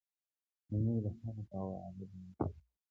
امیر د هغه په وعده باور کړی و.